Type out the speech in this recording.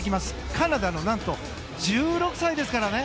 カナダのなんと１６歳ですからね。